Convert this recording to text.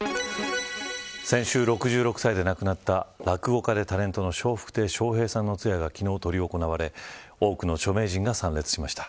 先週、６６歳で亡くなった落語家でタレントの笑福亭笑瓶さんの通夜が昨日、執り行われ多くの著名人が参列しました。